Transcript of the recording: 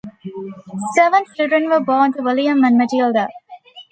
Seven children were born to William and Matilda.